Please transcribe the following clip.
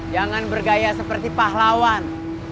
jangan bergaya seperti pahlawan